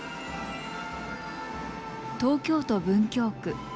東京都文京区。